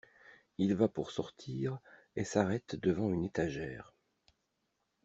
Il va pour sortir et s’arrête devant une étagère.